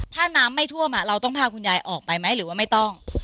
ถ้าน้ำไม่ท่วมเราต้องพาคุณยายออกไปไหมหรือว่าไม่ต้อง